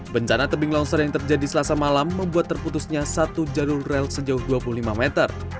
bencana tebing longsor yang terjadi selasa malam membuat terputusnya satu jalur rel sejauh dua puluh lima meter